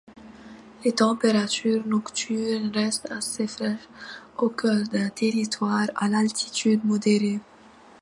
Les températures nocturnes restent assez fraîches au cœur d'un territoire à l'altitude modérée.